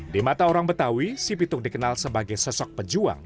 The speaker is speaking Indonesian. di mata orang betawi si pitung dikenal sebagai sosok pejuang